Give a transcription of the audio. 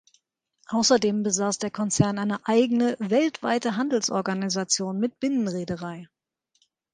Außerdem besaß der Konzern eine eigene weltweite Handelsorganisation mit Binnen-Reederei.